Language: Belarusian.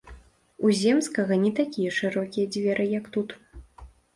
У земскага не такія шырокія дзверы, як тут.